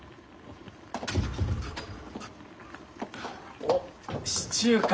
おっシチューか。